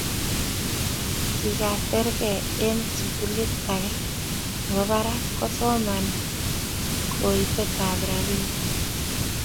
Kikaserkei eng sukulitage nebo barak kosoman hi koitetab robinik